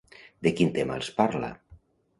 De quin tema els parla?